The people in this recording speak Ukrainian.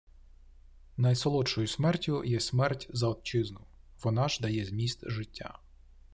Найсолодшою смертю є смерть за Отчизну. Вона ж дає зміст життя.